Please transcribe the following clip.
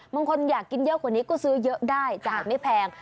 บางคนอยากกินเยอะกว่านี้ก็ซื้อเยอะได้จ่ายไม่แพง